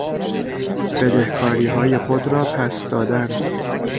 بدهکاریهای خود را پس دادن